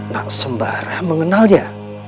nak sembara mengenalnya